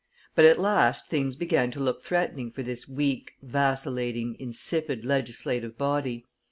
But at last things began to look threatening for this weak, vacillating, insipid legislative body.